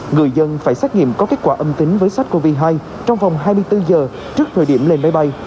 người dân phải xét nghiệm có kết quả âm tính với sars cov hai trong vòng hai mươi bốn giờ trước thời điểm lên máy bay